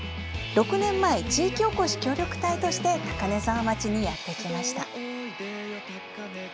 ６年前、地域おこし協力隊として高根沢町にやってきました。